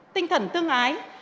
tinh thần tương ái